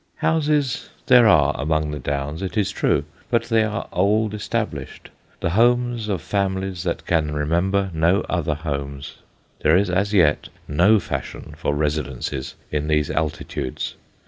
Houses there are among the Downs, it is true, but they are old established, the homes of families that can remember no other homes. There is as yet no fashion for residences in these altitudes.